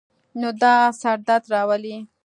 نو دا سر درد راولی